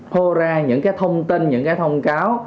thô ra những thông tin những thông cáo